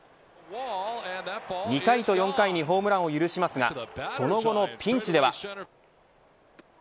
２回と４回にホームランを許しますがその後のピンチでは。